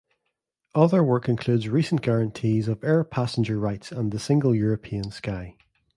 Other work includes recent guarantees of air passenger rights and the Single European Sky.